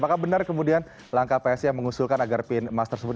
apakah benar kemudian langkah psi yang mengusulkan agar pin emas tersebut